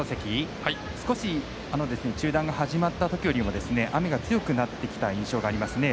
少し中断が始まったときよりも雨が強くなってきた印象がありますね。